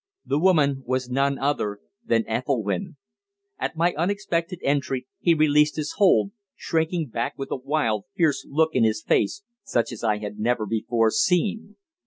The woman was none other than Ethelwynn. At my unexpected entry he released his hold, shrinking back with a wild, fierce look in his face, such as I had never before seen.